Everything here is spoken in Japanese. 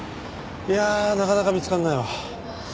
いやあなかなか見つからないわ。